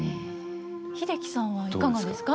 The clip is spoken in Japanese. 英樹さんはいかがですか？